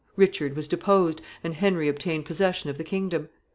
Richard was deposed, and Henry obtained possession of the kingdom.